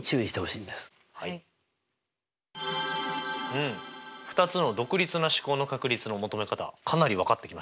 うん２つの独立な試行の確率の求め方かなり分かってきましたね。